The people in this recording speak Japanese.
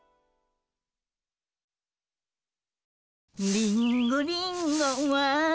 「リンゴリンゴは」